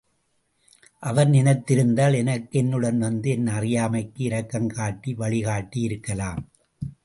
அவர் நினைத்திருந்தால் எனக்கு என்னுடன் வந்து என் அறியாமைக்கு இரக்கம் காட்டி வழி காட்டி இருக்கலாம்.